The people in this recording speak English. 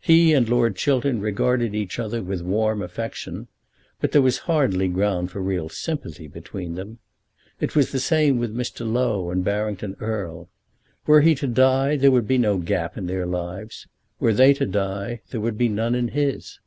He and Lord Chiltern regarded each other with warm affection; but there was hardly ground for real sympathy between them. It was the same with Mr. Low and Barrington Erle. Were he to die there would be no gap in their lives; were they to die there would be none in his.